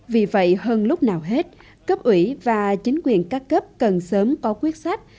vì vậy hơn lúc nào hết cấp ủy và chính quyền các cấp cần sớm có quyết sách